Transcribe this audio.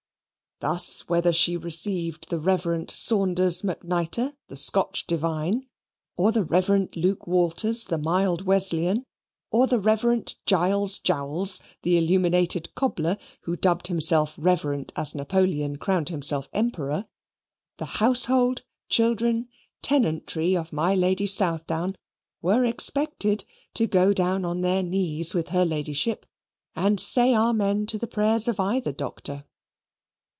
Thus whether she received the Reverend Saunders McNitre, the Scotch divine; or the Reverend Luke Waters, the mild Wesleyan; or the Reverend Giles Jowls, the illuminated Cobbler, who dubbed himself Reverend as Napoleon crowned himself Emperor the household, children, tenantry of my Lady Southdown were expected to go down on their knees with her Ladyship, and say Amen to the prayers of either Doctor.